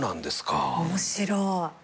面白い。